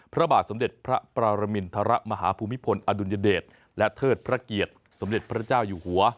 พระบาทสมเด็จพระปรมินทรมาฮภูมิพลอดุลยเดชและเทิดพระเกียรติสมเด็จพระเจ้าอยู่หัว